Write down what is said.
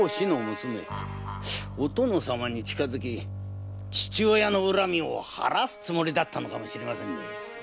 お殿様に近づき父親の恨みを晴らすつもりだったのかも。